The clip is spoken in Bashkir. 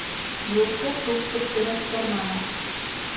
Юлсы күп төпсөнөп торманы: